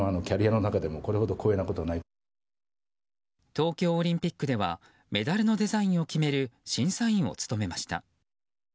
東京オリンピックではメダルのデザインを決める審査員を務めました。